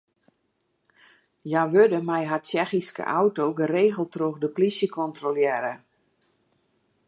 Hja wurde mei har Tsjechyske auto geregeld troch de plysje kontrolearre.